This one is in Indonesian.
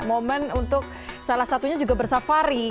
momen untuk salah satunya juga bersafari